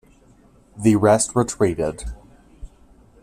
The rest retreated.